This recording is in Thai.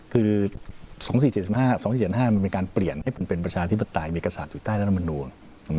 คือสองสี่เจ็ดสิบห้าสองสี่เจ็ดสิบห้ามันเป็นการเปลี่ยนให้เป็นเป็นประชาธิบดายเมกษัตริย์อยู่ใต้รัฐมนุษย์